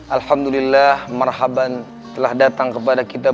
alhamdulillah marhaban telah datang kepada kita